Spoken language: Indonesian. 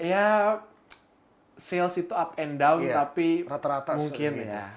ya sales itu up and down tapi mungkin